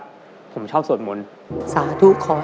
แล้ววันนี้ผมมีสิ่งหนึ่งนะครับเป็นตัวแทนกำลังใจจากผมเล็กน้อยครับ